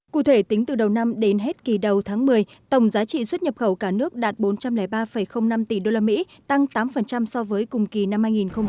cụ thể tính từ đầu năm đến hết kỳ đầu tháng một mươi tổng giá trị xuất nhập khẩu cả nước đạt bốn trăm linh ba năm tỷ usd tăng tám so với cùng kỳ năm hai nghìn một mươi chín